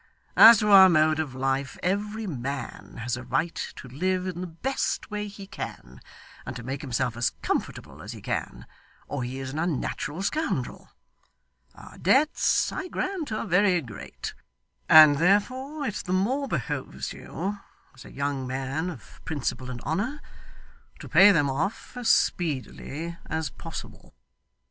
As to our mode of life, every man has a right to live in the best way he can; and to make himself as comfortable as he can, or he is an unnatural scoundrel. Our debts, I grant, are very great, and therefore it the more behoves you, as a young man of principle and honour, to pay them off as speedily as possible.